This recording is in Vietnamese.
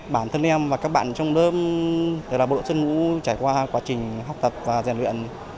bản thân em và các bạn trong lớp được là bộ xuất ngũ trải qua quá trình học tập và giàn luyện